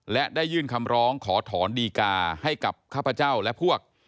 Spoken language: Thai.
และได้ยื่นคำร้องขอถอนดีกาให้กับข้าพเจ้าและพวก